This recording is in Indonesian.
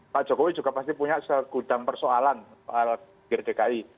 pak jokowi juga pasti punya segudang persoalan pak jokowi